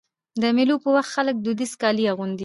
د مېلو پر وخت خلک دودیز کالي اغوندي.